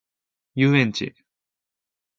遊園地